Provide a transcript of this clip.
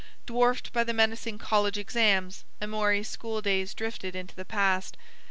Dwarfed by the menacing college exams, Amory's school days drifted into the past.